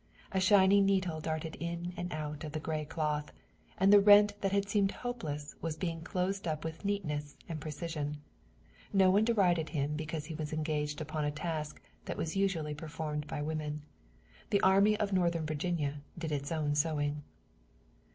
A shining needle darted in and out of the gray cloth, and the rent that had seemed hopeless was being closed up with neatness and precision. No one derided him because he was engaged upon a task that was usually performed by women. The Army of Northern Virginia did its own sewing.